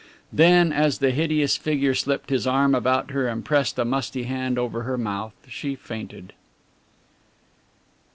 Then as the hideous figure slipped his arm about her and pressed a musty hand over her mouth she fainted.